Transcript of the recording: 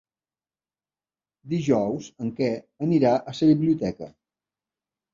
Dijous en Quer anirà a la biblioteca.